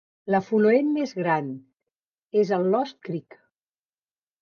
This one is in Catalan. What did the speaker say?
L'afluent més gran és el Lost Creek.